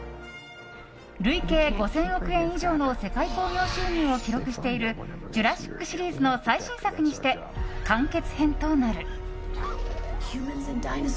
累計５０００億円以上の世界興行収入を記録している「ジュラシック」シリーズの最新作にして完結編となる。